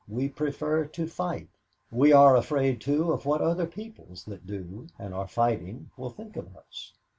We prefer to fight. We are afraid, too, of what other peoples that do and are fighting will think of us.